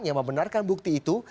yang membenarkan bukti itu